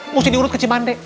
mesti diurut ke cibande